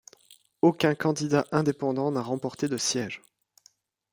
Aucun candidat indépendant n'a remporté de siège.